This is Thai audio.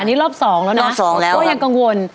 อันนี้แต่อันนี้รอบ๒แล้วนะก็ยังกังวล